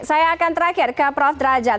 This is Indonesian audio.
saya akan terakhir ke prof derajat